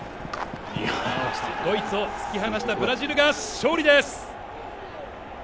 ドイツを突き放したブラジルが勝利です！